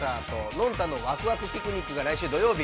「ノンタンのわくわくピクニック」が来週土曜日